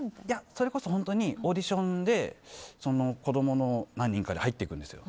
それこそオーディションで子供、何人かで入っていくんですよ。